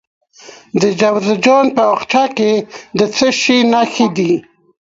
د جوزجان په اقچه کې د څه شي نښې دي؟